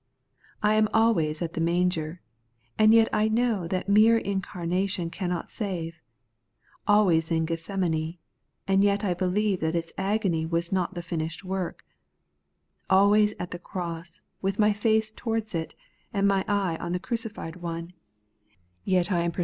I am always at the manger, and yet I know that mere incarnation cannot save ; always in Gethsemane, and yet I believe that its agony was not the finished work; always at the cross, with my face towards it, and my eye on the crucified One, and yet I am per Not Faith, but Christ.